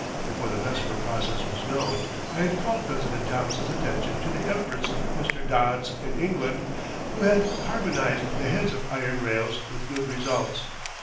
Before the Bessemer process was known I had called President Thomson's attention to the efforts of Mr. Dodds in England, who had carbonized the heads of iron rails with good results.